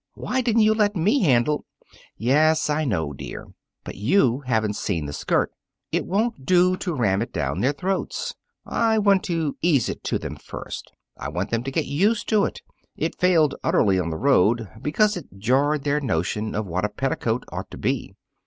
Why didn't you let me handle " "Yes, I know, dear; but you haven't seen the skirt. It won't do to ram it down their throats. I want to ease it to them first. I want them to get used to it. It failed utterly on the road, because it jarred their notion of what a petticoat ought to be.